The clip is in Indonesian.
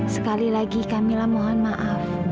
sekali lagi kamilah mohon maaf